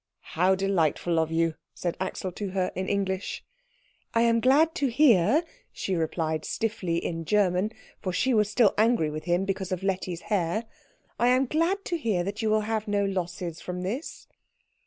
"How delightful of you," said Axel to her in English. "I am glad to hear," she replied stiffly in German, for she was still angry with him because of Letty's hair, "I am glad to hear that you will have no losses from this."